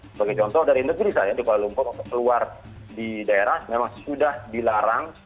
sebagai contoh dari negeri saya di kuala lumpur untuk keluar di daerah memang sudah dilarang